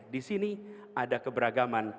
di sini ada keberagaman